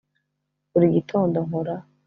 buri gitondo nkora,